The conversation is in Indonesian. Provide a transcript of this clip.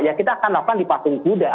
ya kita akan dapat di pasung kuda